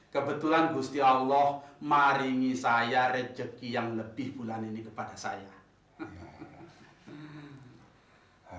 kebetulan gusti allah marigi saya rejeki yang lebih bulan ini kepada saya